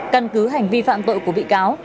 căn cứ hành vi phạm tội của bị cáo